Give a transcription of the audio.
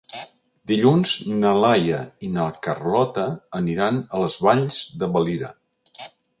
Dilluns na Laia i na Carlota aniran a les Valls de Valira.